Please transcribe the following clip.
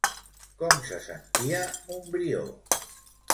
Com se sentia Montbrió?